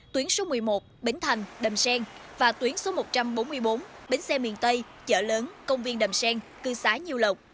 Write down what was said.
tuyến số một mươi một bến thành đầm xen và tuyến số một trăm bốn mươi bốn bến xe miền tây chợ lớn công viên đầm xen cư xái nhiêu lộng